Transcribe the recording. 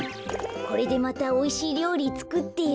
これでまたおいしいりょうりつくってよ。